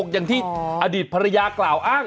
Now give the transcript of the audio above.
อย่างที่อดีตภรรยากล่าวอ้าง